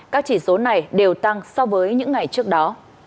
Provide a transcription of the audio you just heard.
các chỉ số này đều tăng so với những ngày trước đó